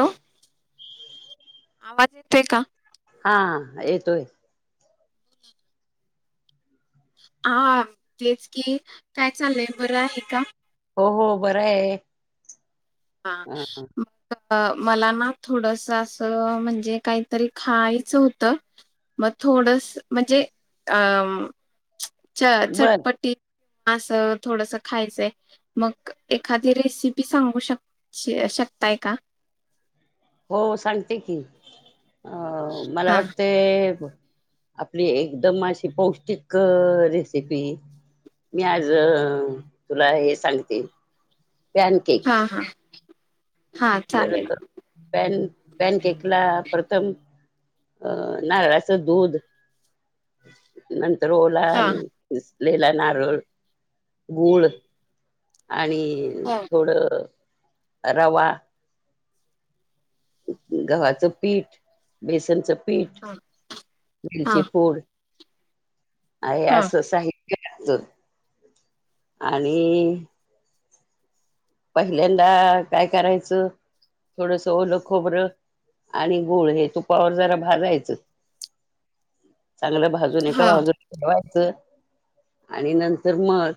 Hello आवाज येतोय का? हा येतोय. हा तेच की काय चाललंय बरं आहे का? हो हो बर आहे. हा. अ अ मला ना थोडस असं म्हणजे काहीतरी खायचं होतं. मग थोडस म्हणजे अ च बर चटपटी अस थोडस खायचंय मग एखादी रेसिपी सांगू शक श शकताय का? हो सांगते की अ मला हा वाटत. आपली एकदम अशी पौष्टिक रेसिपी. मी आज तुला हे सांगते पॅन केक हा हा हा तर चालेल पॅन पॅन केकला प्रथम अ नारळाचं दूध नंतर ओला हा लेला नारळ, गूळ. आणि हो थोड रवा गव्हाचं पीठ, बेसनचं पीठ, हा. हा मिरची फूड आहे हा असं साहित्य अजून आणि पहिल्यांदा काय करायचं थोडस ओलं खोबरं आणि गूळ हे तुपावर जरा भाजायच [inaudible] चांगलं भाजुन एका हा बाजूला ठेवायचं आणि नंतर मग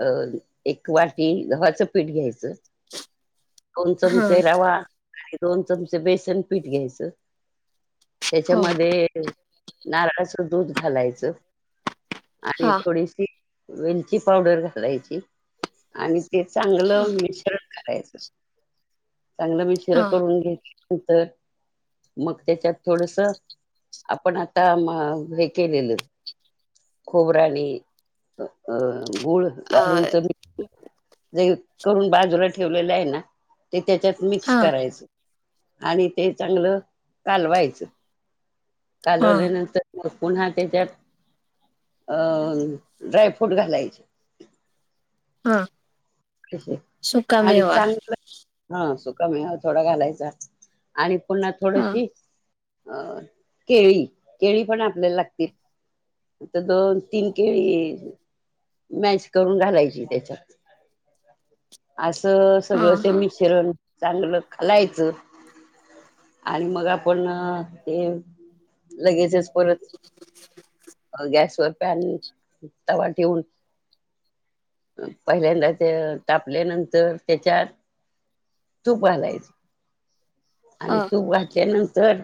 अ एक वाटी गव्हाचं पीठ घ्यायचं दोन हा चमचे रवा आणि दोन चमचे बेसन पीठ घ्यायचं हो त्याच्यामध्ये नारळाच दूध घालायचं आणि हा थोडीशी वेलची पावडर घालायची आणि ते हा चांगलं मिश्रण करायच. चांगलं मिश्र हा करून घेतल्यानंतर मग त्याच्यात थोडस आपण आता मग हे केलेलं खोबरा आणि अ गुळ घालून अ चमी जे करून बाजूला ठेवलेलं आहे ना ते त्याच्यात मिक्स हा करायच. आणि ते चांगलं कालवायचं हा कालवल्यानंतर पुन्हा त्याच्यात अ ड्रायफ्रूट घालायचे. हा... आणि सुकामेवा चांगलं ह सुकामेवा थोडा घालायचा आणि पुन्हा हा थोडशी अ केळी, केळी पण आपल्याला लागतील. तर दोन, तीन केळी स्मॅश करून घालायची त्याच्यात असं हा सगळं ते हा मिश्रण चांगलं खालायचं आणि मग आपण ते लगेचच परत गॅसवर पॅन तवा ठेऊन पहिल्यांदा.. त्या तापल्यानंतर त्याच्यात तूप घालायचं. आणि ह तूप घातल्या नंतर..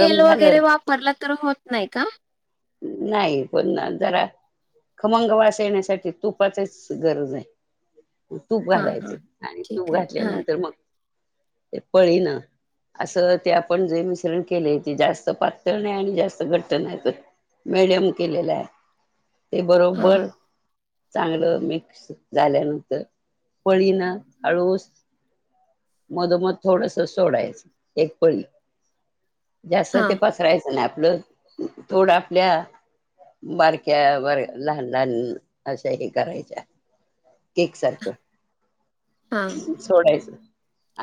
तेल वगैरे वापरलं तर होत नाही का? नाही पुन्हा जरा... खमंगवास येण्यासाठी तुपाचीच गरज आहे. तूप हा हा घालायचं आणि ठीक तूप आहे हा घातल्यानंतर मग ते पळीन.. असं ते आपण जे मिश्रण केले ते जास्त पातळ नाही आणि जास्त घट्ट नाही. मिडीयम केलेला आहे ते ह बरोबर.. चांगलं मिक्स झाल्यानंतर पळीन हळूच मधो मध थोडस सोडायचं एक पळी. जास्त हा ते पसरायचं नाही आपलं थोड आपल्या बारक्या बर लहान लहान अशा हे करायच्या. केक सारख. हा. सोडायचं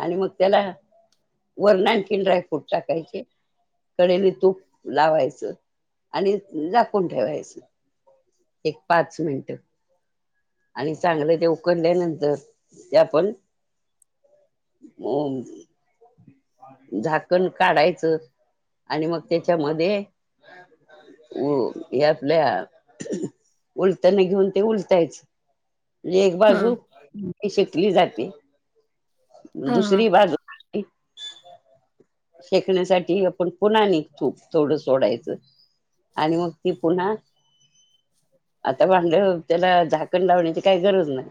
आणि मग त्याला.. वरन आणखीन ड्रायफ्रुट टाकायचे कडेने तूप लावायचं. आणि झाकून ठेवायचं एक पाच मिनट. आणि चांगलं ते उकडल्यानंतर ते आपण... ह. झाकण काढायचं आणि मग त्याच्यामध्ये... हो या आपल्या.. उलताणे घेऊन ते उलतायच. एक हा बाजू शेकली जाते हा हा दुसरी बाजू.. शेकण्यासाठी आपण पुन्हा आणि तूप थोडं सोडायचं. आणि मग ती पुन्हा.. आता भांड त्याला झाकण लावण्याची काय गरज नाय.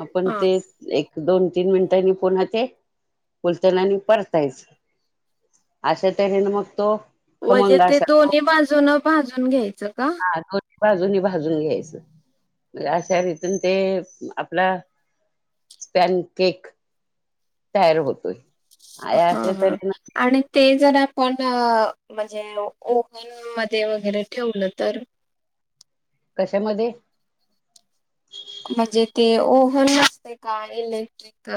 आपण हा ते एक दोन तीन मिनिटांनी पुन्हा ते उलथन्यांनी.. परतायच अशा त्हेन मग तो... म्हणजे खमंग ते असा दोन्ही बाजून भाजून घ्यायचं का? दोन्ही बाजूनी भाजून घ्यायचं. अशा रीतीने ते आपला स्पॅन केक तयार होतोय. ह अशा ह तऱ्हेन आणि ते जर आपण म्हणजे ओव्हन मध्ये वगैरे ठेवलं तर कशामध्ये? म्हणजे ते ओव्हन नसते का इलेक्ट्रिक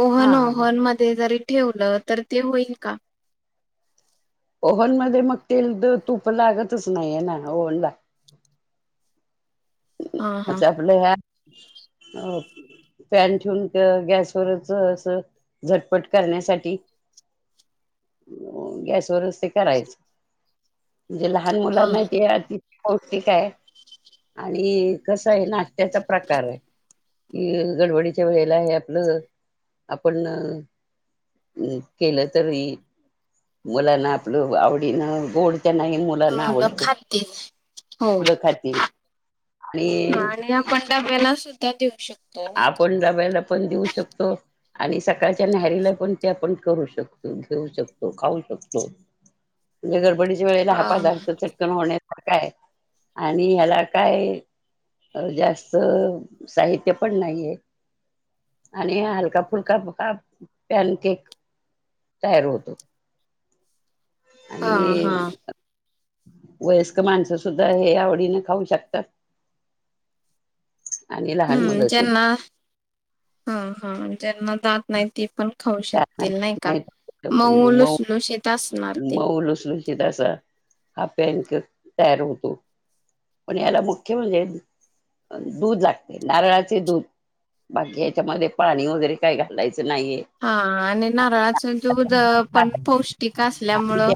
ओहन हा ओहन मध्ये जरी ठेवलं तर ते होईल का? ओव्हन मध्ये मग तेल तुप लागतच नाहीय ना ओव्हन ला. हा हा अच्छा आपल्या ह्या पॅन ठेवून गॅसवरच अस झटपट करण्यासाठी. गॅसवररच ते करायचं. म्हणजे लहान हा मुलांना ते अति पौष्टिक आहे. आणि कसं आहे नाश्याचा प्रकार आहे. ह गडबडीच्या वेळेला हे आपलं आपण अम् केलं तरी मुलांना आपलं आवडीन गोड त्या नाही मु मुलं खातील हो. मुलं खातील ह आणि आपण डाब्याला सुद्धा देऊ शकतो. नाही का? आपण डब्याला पण देऊ शकतो. आणि सकाळच्या न्यारीला पण ते आपण करू शकतो घेऊ शकतो खाऊ शकतो म्हणजे गडबडीच्या वेळेला हा पदार्थ चटकन होण्यासारखय आणि ह्याला काय अ जास्त साहित्य पण नाहीय आणि हलका फुलका ह पॅन केक तैयार होतो हा हा. आणि वयस्क माणसं सुद्धा हे आवडीने खाऊ शकतात. आणि लहान हम्म मुलं सुद्धा ज्यांना ह हा ज्यांना जात नाही त पण खाऊ शकतील नाही का माऊ मऊ लुसलुशीत असणार ते. मऊ लुसलुशीत अस हा पॅन केक तयार होतो. पण याला मुख्य म्हणजे दूध लागते नारळाचे दूध बाकी ह्याच्यामध्ये पाणी वगैरे काय घालायचं नाहीये हा आणि नारळाचं दूध पण पौष्टिक असल्यामुळं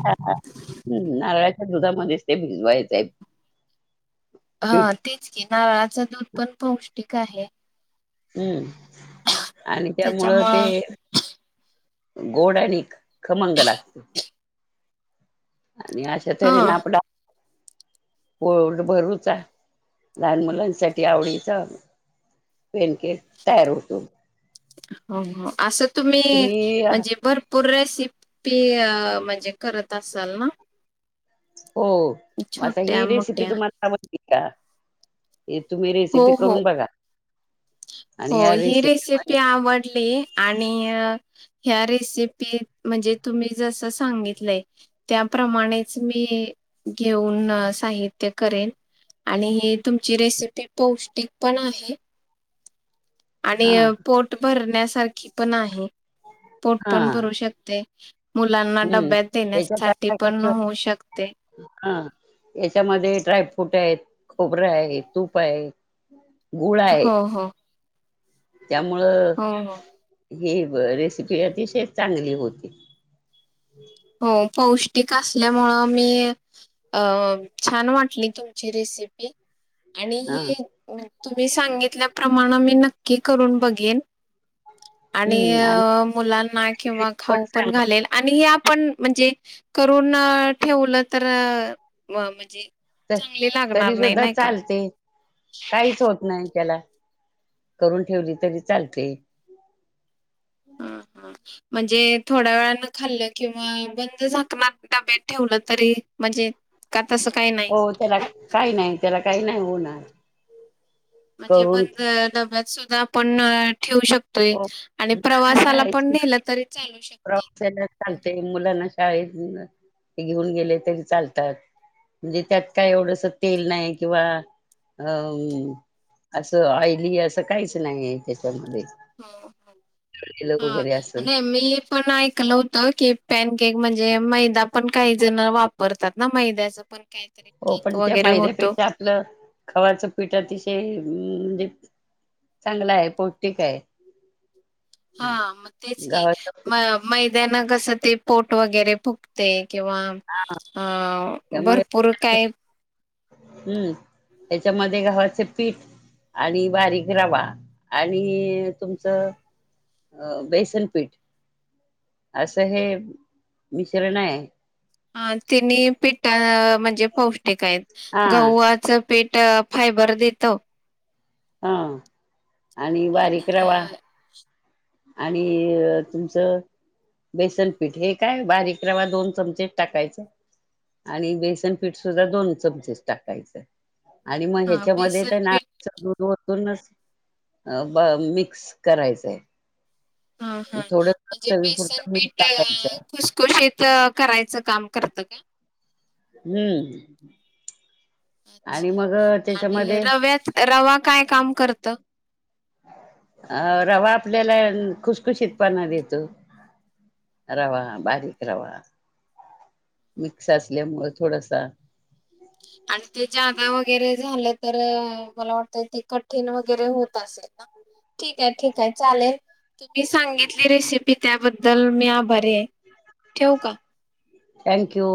हम्म नारळाच्या दुधामध्येच ते भिजवायचं आहे. हा पीठ तेच की नारळाच दूध पण पौष्टिक आहे. हम्म आणि त्यामुळं ते त्याच्यामुळं गोड आणि खमंग लागते आणि ते तेरी हा ना आपड पोट भरूचा लहान मुलांसाठी आवडीचा पॅन केक तयार होतो हो हो असं तुम्ही म्हणजे भरपूर पूर रेसिपी म्हणजे करत असाल ना. हो आता ही छोट्या रेसिपी मोठ्या तुम्हाला हे तुम्ही रेसिपी हो हो करून बघा. हो आणि या ही मध्ये रेसिपी आवडली आणि ह्या रेसिपी म्हणजे तुम्ही जसं सांगितलंय त्याप्रमाणेच मी घेऊन साहित्य करेन. आणि ही तुमची रेसिपी पौष्टिक पण आहे आणि हा पोट भरण्यासारखी पण आहे पोट हा पण भरू शकते मुलांना हम्म डब्यात याच्यात देण्यासाठी आता पण कस होऊ शकते हा याच्यामध्ये ड्रायफ्रूट आहे खोबरं आहे तूप आहे गुळ आहे हो, हो, त्यामुळं हो, हो, ही रेसिपी अतिशय चांगली होती हो पौष्टिक असल्यामुळे मी अ छान वाटली तुमची रेसिपी आणि हा तुम्ही सांगितल्याप्रमाणे मी नक्की करून बघेन आणि हम्म आणि मुलांना किंवा खाऊ पण घालेल आणि आपण म्हणजे करून ठेवलं तर म्हणजे चांगली लागणार तरी नाही सुद्धा नाही का? चालते काहीच होत नाही त्याला करून ठेवली तरी चालतय- हम्म हम्म म्हणजे थोड्या वेळान खाल्लं किंवा बंद झाकण डब्यात ठेवलं तरी म्हणजे का तसं काही नाही. हो त्याला काही नाही त्याला काही नाही होणार म्हणजे करून बंद डब्यात सुद्धा आपण ठेवू शकतो हो आणि मुलांना प्रवासाला पण शाळेत नेलं तरी चालू शकतो प्रवासाला चालते मुलांना शाळेत घेऊन गेले तरी चालतात म्हणजे त्यात काय एवढस तेल नाही किंवा अं असं ऑइली असं काहीच नाही त्याच्यामध्ये हो हो तेल हा वगैरे असं आणि मी पण ऐकलं होत की पॅनकक म्हणजे मैदा पण काही जण वापरतात ना मैद्याच पण काहीतरी केक वगैरे होतो. आप खवाचं पीठ अतिशय म्हणजे चांगला आहे पौष्टिक आहे. हा मेचकी गव्हाचं म पीठ मैद्याना कसं ते पोट वगैरे फुकते किंवा अ त्यामुळे भरपूर काय? हम्म त्याच्यामध्ये गावाचे पीठ आणि बारीक रवा आणि तुमचं? अ बेसनपीठ असं हे मिश्रण आहे. अ तिने पिठ म्हणजे पौष्टिक आहेत हा गहवाच पेट फायबर देतो. हा आणि बारीक रवा आणि तुमचं? बेसन पीठ हे काय बारीक रवा दोन चमचे टाकायचे. आणि बेसन पीठ सुद्धा दोन चमचेस टाकायचं. आणि मग हा ह्याच्यामध्ये बेसन तर पीठ तूनच मिक्स करायचंय? हा हा थोडं म्हणजे बेसन चवीपुरतं मीठ पीठ टाकायचं खु कृषित करायचं काम करतं का? हम्म आणि मग अच्छा आणि त्याच्यामध्ये रव्यात रवा काय काम करत. अ रवा आपल्याला खुशखुशीतपणा देतो. रवा बारीक रवा मिक्स असल्यामुळे थोडसा आणि ते जादा वगैरे झालं तर मला वाटत ते कठीण वगैरे होत असेल ना ठीक आहे ठीक आहे चालेल. तुम्ही सांगितली रेसिपी त्याबद्दल मी आभारी आहे ठेव का? थँक्यू.